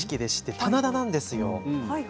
棚田なんですよ。